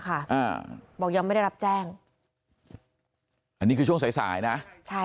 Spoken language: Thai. อ่าบอกยังไม่ได้รับแจ้งอันนี้คือช่วงสายสายนะใช่